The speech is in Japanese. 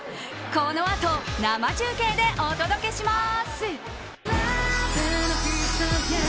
このあと、生中継でお届けします。